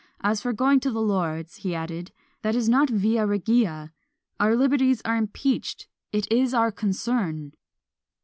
As for going to the lords," he added, "that is not via regia; our liberties are impeached it is our concern!"